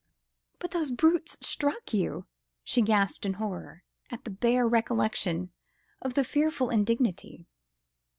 "But those brutes struck you!" she gasped in horror, at the bare recollection of the fearful indignity.